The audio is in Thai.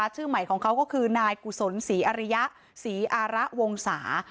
ชื่อใหม่ของเขาก็คือนายกุศลศรีอริยะศรีอาระวงศา